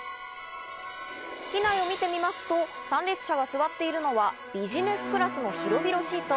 機内を見てみますと参列者が座っているのは、ビジネスクラスの広々シート。